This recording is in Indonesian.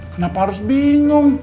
kenapa harus bingung